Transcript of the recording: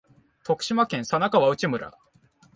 徳島県佐那河内村